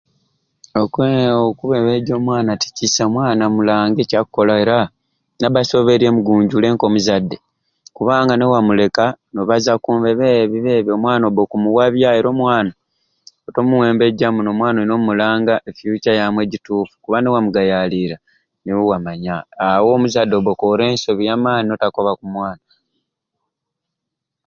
Okwe okuweweeta omwana ti kisai omwana mulange ekya kukola era nabba asoberye mugunjule nk'omuzadde kubanga ni wamuleka n'obazaku mbe bebibebi omwana obba okumuwabya otamuwembejja muno omwana olina okumulanga e fiucca yamwe egituufu kubanga niwamugayaalirira niwe wamanya awo omuzadde obba okoore ensobi y'amaani obutakoba ku mwana.